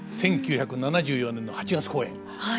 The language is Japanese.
１９７４年の８月公演。